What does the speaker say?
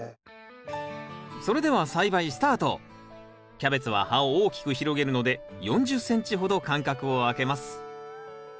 キャベツは葉を大きく広げるので４０ｃｍほど間隔を空けます。